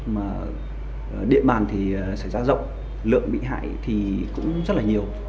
mà địa bàn thì xảy ra rộng lượng bị hại thì cũng rất là nhiều